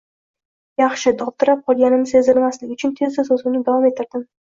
Yaxshi… – dovdirab qolganimni sezdirmaslik uchun tezda soʻzimni davom ettirdim.